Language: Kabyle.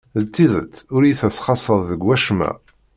D tidet ur iyi-tesxaṣṣeḍ deg wacemma.